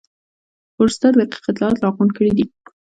فورسټر دقیق اطلاعات راغونډ کړي دي.